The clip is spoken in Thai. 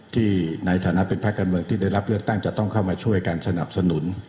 ที่ในฐานะเป็นภาคการเมืองที่ได้รับเลือกตั้งจะต้องเข้ามาช่วยกันสนับสนุน